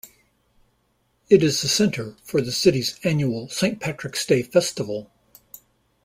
It is the center for the city's annual Saint Patrick's Day Festival.